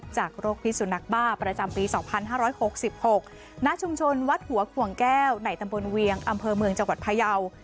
จากโรคภิษสุนัขบ้าประจำปี๒๕๖๖นชวัดหัวกภวงแก้วไหน่ตำบลเวียงอำเภอเมืองจังหวัดพะเยาว์